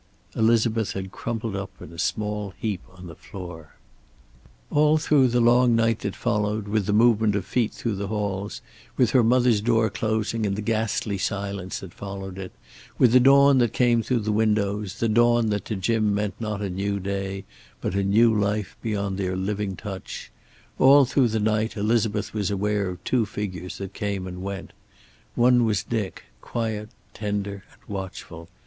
Elizabeth had crumpled up in a small heap on the floor. All through the long night that followed, with the movement of feet through the halls, with her mother's door closing and the ghastly silence that followed it, with the dawn that came through the windows, the dawn that to Jim meant not a new day, but a new life beyond their living touch, all through the night Elizabeth was aware of two figures that came and went. One was Dick, quiet, tender and watchful.